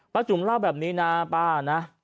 จุ๋มเล่าแบบนี้นะป้านะ